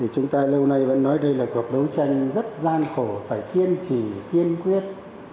chúng ta lâu nay vẫn nói đây là cuộc đấu tranh rất gian khổ phải kiên trì kiên quyết